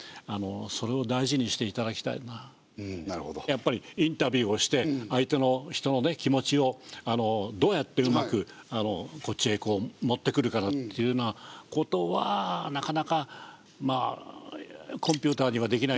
やっぱりインタビューをして相手の人の気持ちをどうやってうまくこっちへ持ってくるかなんていうようなことはなかなかコンピューターにはできないんじゃないかと思うのがね。